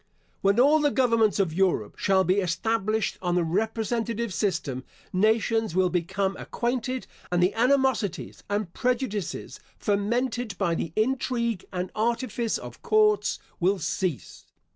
When all the governments of Europe shall be established on the representative system, nations will become acquainted, and the animosities and prejudices fomented by the intrigue and artifice of courts, will cease.